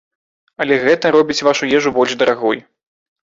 Але гэта робіць вашу ежу больш дарагой.